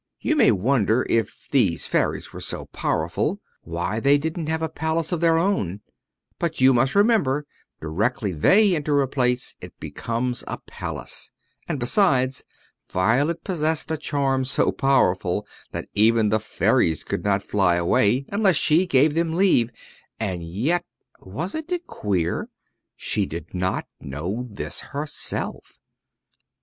You may wonder, if these fairies were so powerful, why they didn't have a palace of their own; but you must remember directly they enter a place it becomes a palace; and besides, Violet possessed a charm so powerful that even the fairies could not fly away unless she gave them leave; and yet wasn't it queer? she did not know this herself.